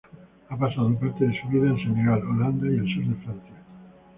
Ha pasado parte de su vida en Senegal, Holanda y el sur de Francia.